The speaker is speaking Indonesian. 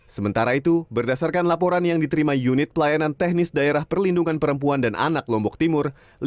sementara itu berdasarkan laporan yang diterima unit pelayanan teknis daerah perlindungan perempuan dan anak lombok timur